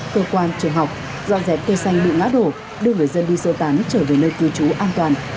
cơ quan trường học dọn dẹp cây xanh bị ngã đổ đưa người dân đi sơ tán trở về nơi cư trú an toàn